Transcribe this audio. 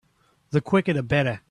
The quicker the better.